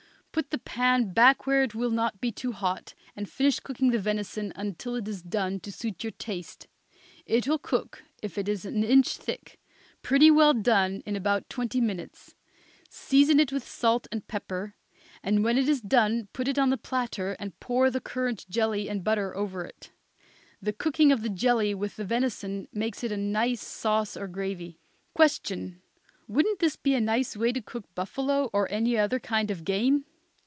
Put the pan back where it will not be too hot, and finish cooking the venison until it is done to suit your taste. It will cook, if it is an inch thick, pretty well done in about twenty minutes. Season it with salt and pepper, and when it is done put it on the platter and pour the currant jelly and butter over it. The cooking of the jelly with the venison makes it a nice sauce or gravy. Question. Wouldn't this be a nice way to cook buffalo or any other kind of game?